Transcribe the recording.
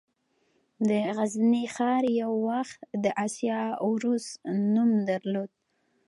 د غزني ښار یو وخت د «د اسیا عروس» نوم درلود